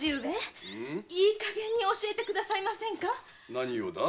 何をだ？